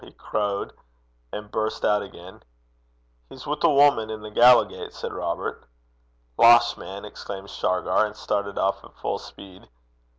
he crowed; and burst out again. 'He's wi' a wuman i' the Gallowgate,' said Robert. 'Losh, man!' exclaimed Shargar, and started off at full speed.